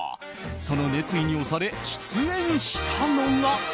その熱意に押され出演したのが。